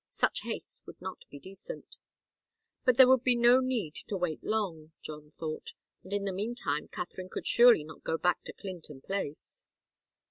Such haste would not be decent. But there would be no need to wait long, John thought, and in the meantime Katharine could surely not go back to Clinton Place.